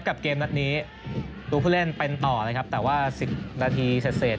กับเกมนั้นนี้ตัวผู้เล่นเป็นต่อนะครับแต่ว่าสิบนาทีเศษ